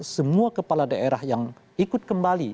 semua kepala daerah yang ikut kembali